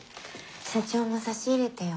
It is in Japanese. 社長も差し入れてよ